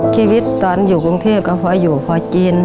ชีวิตตอนอยู่กรุงเทพก็พออยู่พอกิน